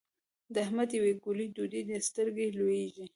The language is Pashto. د احمد يوې ګولې ډوډۍ ته سترګې لوېږي.